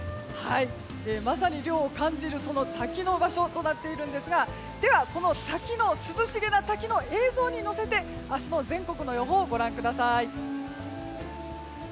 まさに涼を感じる滝の場所となっているんですがでは、この涼しげな滝の映像に乗せて明日の全国の予報ご覧ください。